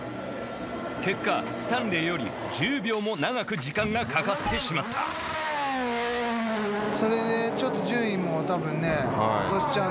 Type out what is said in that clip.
結果スタンレーより１０秒も長く時間がかかってしまったそれでちょっと順位もたぶんね落としちゃうんで。